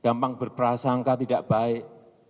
gampang berprasangka tidak baik